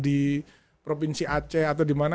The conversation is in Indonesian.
di provinsi aceh atau dimana